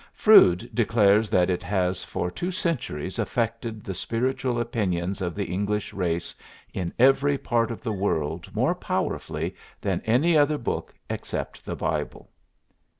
Froude declares that it has for two centuries affected the spiritual opinions of the English race in every part of the world more powerfully than any other book, except the Bible.